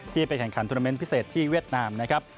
ที่ไปแข่งขันทุนเม้นท์พิเศษที่เวียดนาม